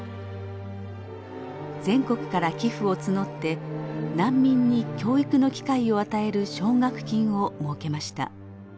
全国から寄付を募って難民に教育の機会を与える奨学金を設けました。